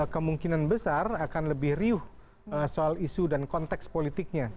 kemungkinan besar akan lebih riuh soal isu dan konteks politiknya